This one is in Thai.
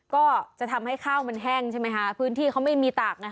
ก็จะทำให้ข้าวมันแห้งใช่ไหมคะพื้นที่เขาไม่มีตากนะคะ